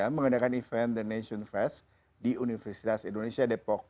mengadakan event the nation fest di universitas indonesia depok